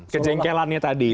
kejengkelannya tadi itu